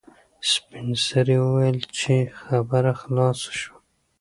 سپین سرې وویل چې خبره خلاصه شوه.